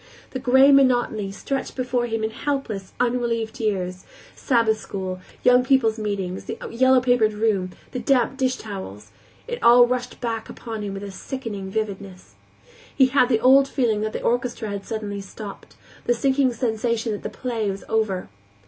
The gray monotony stretched before him in hopeless, unrelieved years; Sabbath school, Young People's Meeting, the yellow papered room, the damp dishtowels; it all rushed back upon him with a sickening vividness. He had the old feeling that the orchestra had suddenly stopped, the sinking sensation that the play was over.